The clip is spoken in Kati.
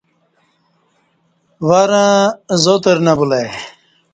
ورں زاتر نہ بُلہ ای